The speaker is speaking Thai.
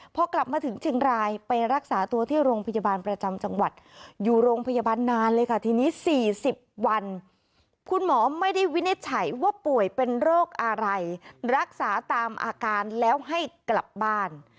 พอกลับมาถึงเชียงรายไปรักษาตัวที่โรงพยาบาลประจำจังหวัดอยู่โรงพยาบาลนานเลยค่ะทีนี้๔๐วันคุณหมอไม่ได้วินิจฉัยว่าป่วยเป็นโรคอะไรรักษาตามอาการแล้วให้กลับบ้าน